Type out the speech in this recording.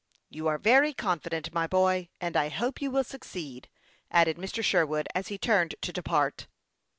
" You are very confident, my boy, and I hope you will succeed," added Mr. Sherwood, as he turned to depart.